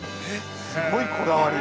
すごいこだわり。